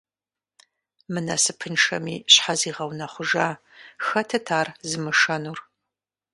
Мы насыпыншэми щхьэ зигъэунэхъужа? Хэтыт ар зымышэнур?